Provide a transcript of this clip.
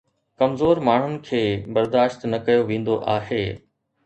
ڪمزور ماڻهن کي برداشت نه ڪيو ويندو آهي